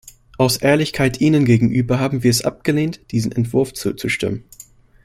Aus Ehrlichkeit ihnen gegenüber haben wir es abgelehnt, diesem Entwurf zuzustimmen.